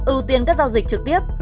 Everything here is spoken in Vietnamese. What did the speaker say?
ưu tiên các giao dịch trực tiếp